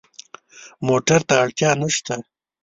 موټر ته اړتیا نه شته.